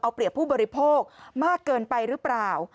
เอาเปรียบผู้บริโภคมากเกินไปหรือเปล่า